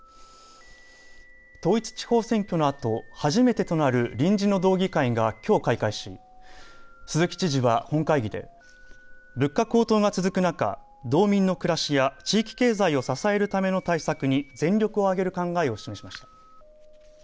統一地方選挙のあと初めてとなる臨時の道議会がきょう開会し鈴木知事は本会議で物価高騰が続く中道民の暮らしや地域経済を支えるための対策に全力を挙げる考えを示しました。